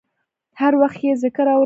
هر وخت یې ذکر اورم